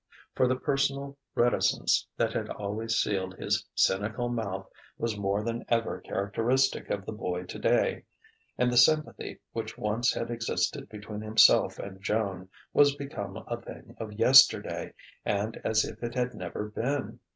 For the personal reticence that had always sealed his cynical mouth was more than ever characteristic of the boy today; and the sympathy which once had existed between himself and Joan was become a thing of yesterday and as if it had never been.